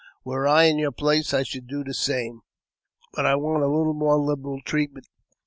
Were I in your place I should do the same. But I want a little more liberal treatment.